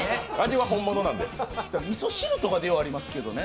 みそ汁とかはありますけどね？